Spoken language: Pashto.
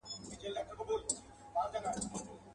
شمعي زما پر اوښکو که پر ځان راسره وژړل.